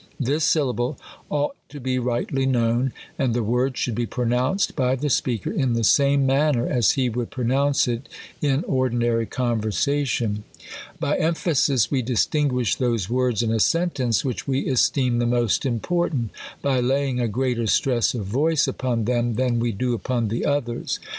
This sylla ble ought to be rightly known, and the word should be pronounced by the speaker in the same manner as he would pronounce it in o^'dj^nary conversation. By em phasis, we distinguish those words in a sentence which we esteem the most imp<'rtant, by laying a greater stress of voice upon then? than we do upon the others.